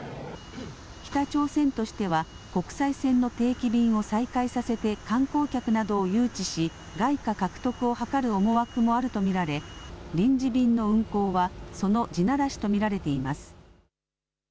北朝鮮としては、国際線の定期便を再開させて観光客などを誘致し、外貨獲得を図る思惑もあると見られ、臨時便の運航は、その地ならしと見られています。